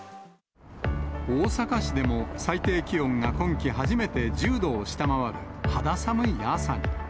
大阪市でも最低気温が今季初めて１０度を下回る肌寒い朝に。